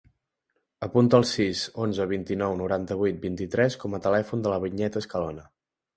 Apunta el sis, onze, vint-i-nou, noranta-vuit, vint-i-tres com a telèfon de la Vinyet Escalona.